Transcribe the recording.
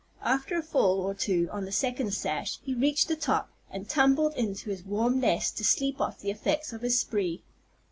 After a fall or two on the second sash, he reached the top, and tumbled into his warm nest to sleep off the effects of his spree.